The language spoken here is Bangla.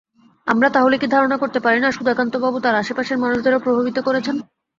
আমরা তাহলে কি ধারণা করতে পারি না, সুধাকান্তবাবু তাঁর আশেপাশের মানুষদেরও প্রভাবিত করেছেন?